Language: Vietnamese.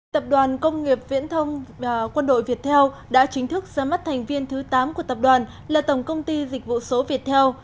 tập đoàn công nghiệp viễn thông quân đội việt theo đã chính thức ra mắt thành viên thứ tám của tập đoàn là tổng công ty dịch vụ số viettel